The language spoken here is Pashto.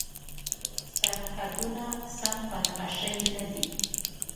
سرحدونه سم په نښه شوي نه دي.